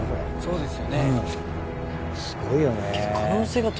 うんすごいよね。